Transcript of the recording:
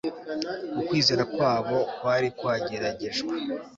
ukwizera kwabo kwari kwageragejwe